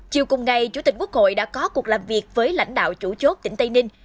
chiều cùng ngày chủ tịch quốc hội đã có cuộc làm việc với lãnh đạo chủ chốt tỉnh tây ninh